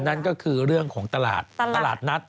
นั่นก็คือเรื่องของตลาดตลาดนัด